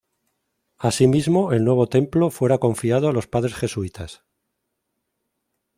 Asimismo el nuevo templo fuera confiado a los padres jesuitas.